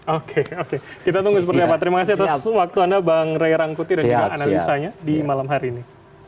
oke oke kita tunggu seperti apa terima kasih atas waktu anda bang ray rangkuti dan juga analisanya di malam hari ini